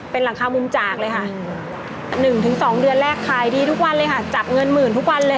เป็นหลังคามุมจากเลยค่ะ๑๒เดือนแรกขายดีทุกวันเลยค่ะจับเงินหมื่นทุกวันเลย